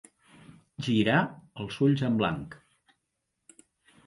Girar els ulls en blanc.